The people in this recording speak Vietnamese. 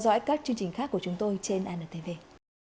đặc biệt là các điểm diễn ra các sự kiện văn hóa chính trị du xuân vui tết